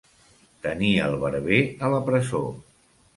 Tenir el barber a la presó.